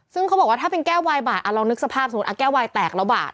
ซึ่งเขาบอกว่าถ้าเป็นแก้ววายบาทลองนึกสภาพสมมุติแก้ววายแตกละบาท